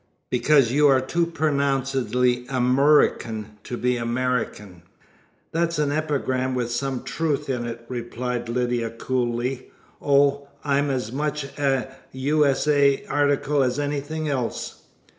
"Because you are too pronouncedly Amurrican to be American." "That's an epigram with some truth in it," replied Lydia coolly. "Oh, I'm as much a U. S. A. article as anything else.